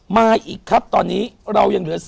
มาอีกครับตอนนี้เรายังเหลือ